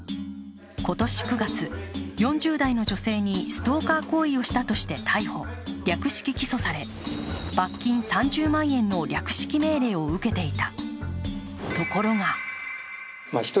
今年９月、４０代の女性のストーカー行為をしたとして逮捕・略式起訴され罰金３０万円の略式命令を受けていた。